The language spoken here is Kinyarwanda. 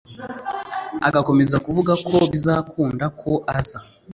agakomeza kuvuga ko bitazakunda ko aza